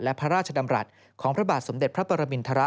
และพระราชดำรัฐของพระบาทสมเด็จพระปรมินทร